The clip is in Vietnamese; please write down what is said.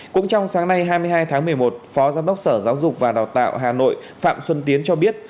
cũng trong sáng nay hai mươi hai tháng một mươi một phó giám đốc sở giáo dục và đào tạo hà nội phạm xuân tiến cho biết